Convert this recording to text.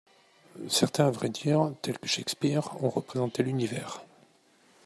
Certains, à vrai dire, tels que Shakespeare, ont représenté l'univers.